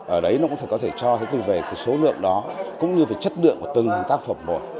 ở đấy nó cũng có thể cho thấy về cái số lượng đó cũng như về chất lượng của từng tác phẩm một